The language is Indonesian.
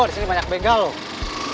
di sini banyak begal loh